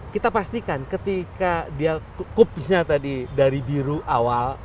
kita pastikan ketika dia kupisnya tadi dari biru awal